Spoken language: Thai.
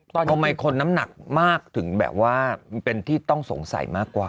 ทำไมคนน้ำหนักมากถึงแบบว่าเป็นที่ต้องสงสัยมากกว่า